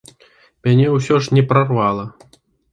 Мяне ўсё ж не прарвала.